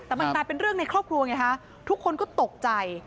แต่มันกลายเป็นเรื่องในครอบครัวไงฮะทุกคนก็ตกใจ